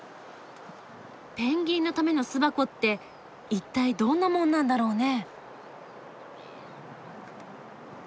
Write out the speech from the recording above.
ペンギンのための巣箱って一体どんなもんなんだろうね？